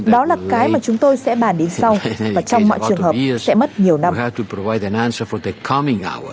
đó là cái mà chúng tôi sẽ bàn đến sau và trong mọi trường hợp sẽ mất nhiều năm